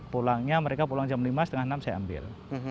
pulangnya mereka pulang jam lima setengah enam saya ambil